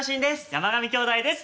山上兄弟です。